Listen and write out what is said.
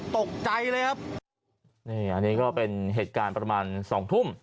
ตกใจเลยครับนี่อันนี้ก็เป็นเหตุการณ์ประมาณสองทุ่ม